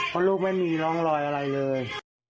เพราะลูกไม่มีร่องรอยอะไรเลย